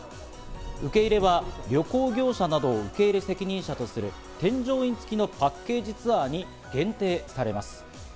受け入れは旅行業者などを受け入れ責任者とする添乗員つきのパッケージツアーに限定されます。